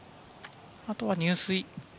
あとは入水。